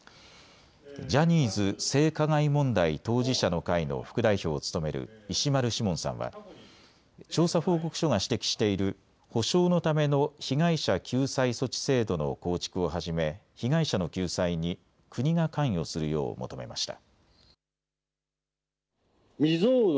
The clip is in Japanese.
ジャニーズ性加害問題当事者の会の副代表を務める石丸志門さんは調査報告書が指摘している補償のための被害者救済措置制度の構築をはじめ、被害者の救済に国が関与するよう求めました。